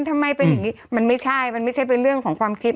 ทำไมเป็นอย่างนี้มันไม่ใช่มันไม่ใช่เป็นเรื่องของความคิด